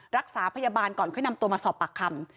รักษาพยาบาลก่อนค่อยนำตัวมาสอบปากคำ